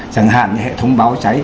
chẳng hạn như hệ thống báo cháy